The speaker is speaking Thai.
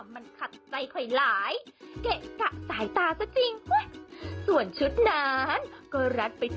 โปรดติดตามต่อไป